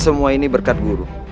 semua ini berkat guru